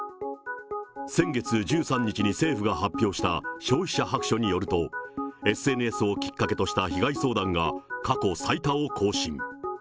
先月１３日に政府が発表した消費者白書によると、ＳＮＳをきっかけとした被害相談が、過去最多を更新。